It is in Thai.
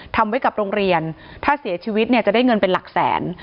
ทำไว้กับโรงเรียนถ้าเสียชีวิตเนี่ยจะได้เงินเป็นหลักแสน